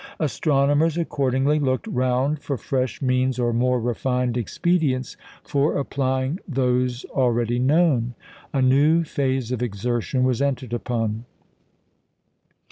Astronomers, accordingly, looked round for fresh means or more refined expedients for applying those already known. A new phase of exertion was entered upon.